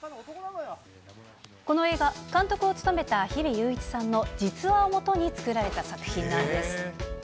この映画、監督を務めた日比ゆういちさんの実話をもとに作られた作品なんです。